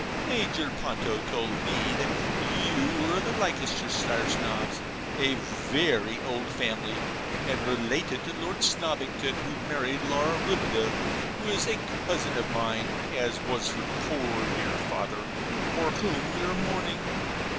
'Major Ponto told me that you were of the Leicestershire Snobs: a very old family, and related to Lord Snobbington, who married Laura Rubadub, who is a cousin of mine, as was her poor dear father, for whom we are mourning.